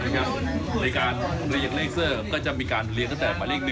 ในการเรียนเลขเซอร์ก็จะมีการเรียนตั้งแต่หมายเลข๑